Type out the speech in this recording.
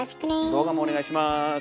動画もお願いします。